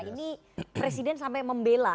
ini presiden sampai membela